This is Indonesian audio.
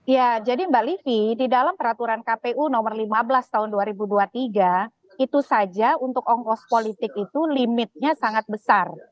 ya jadi mbak livi di dalam peraturan kpu nomor lima belas tahun dua ribu dua puluh tiga itu saja untuk ongkos politik itu limitnya sangat besar